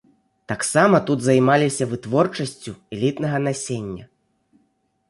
Таксама тут займаліся вытворчасцю элітнага насення.